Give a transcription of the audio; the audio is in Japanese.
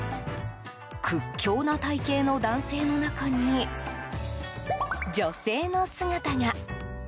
屈強な体形の男性の中に女性の姿が。